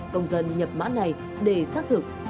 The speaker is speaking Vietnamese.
công dân nhập mã này để xác thực